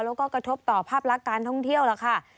แล้วก็กระทบต่อภาพลักษณ์การท่องเที่ยวแล้วค่ะ